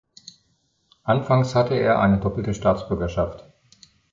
Anfangs hatte er eine doppelte Staatsbürgerschaft.